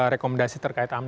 rekomendasi terkait amnesti